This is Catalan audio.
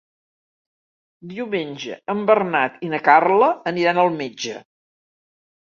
Diumenge en Bernat i na Carla aniran al metge.